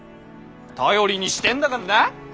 頼りにしてんだかんな。